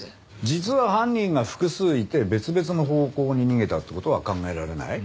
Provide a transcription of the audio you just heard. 実は犯人が複数いて別々の方向に逃げたって事は考えられない？